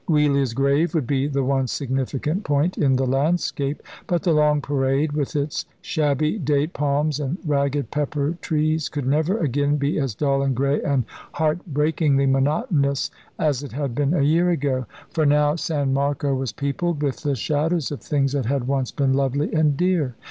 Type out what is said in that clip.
Giulia's grave would be the one significant point in the landscape; but the long parade, with its shabby date palms and ragged pepper trees, could never again be as dull and grey and heartbreakingly monotonous as it had been a year ago; for now San Marco was peopled with the shadows of things that had once been lovely and dear.